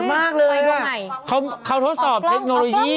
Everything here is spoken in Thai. มากเลยเขาทดสอบเทคโนโลยี